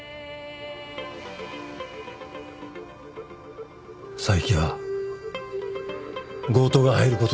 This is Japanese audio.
佐伯は強盗が入ることを知ってた。